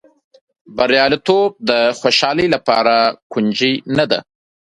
بریالیتوب د خوشالۍ لپاره کونجي نه ده.